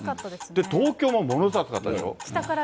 東京もものすごい暑かったでしょ。